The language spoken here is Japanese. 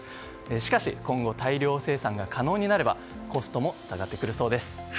しかし、今後大量生産が可能になればコストも下がってくるそうです。